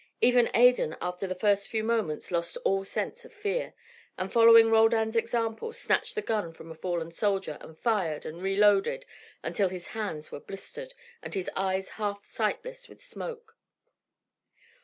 Even Adan after the first few moments lost all sense of fear, and following Roldan's example, snatched the gun from a fallen soldier and fired and reloaded until his hands were blistered, and his eyes half sightless with smoke.